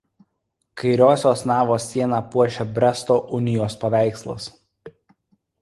Kairiosios navos sieną puošia Bresto unijos paveikslas.